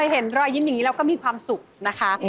เห็นรอยยิ้มอย่างนี้แล้วก็มีความสุขนะคะ